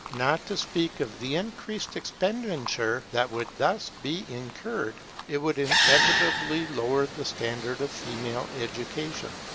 Not to speak of the increased expenditure that would thus be incurred, it would inevitably lower the standard of female education.